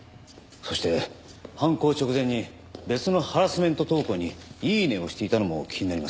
そして犯行直前に別のハラスメント投稿にイイネ！をしていたのも気になります。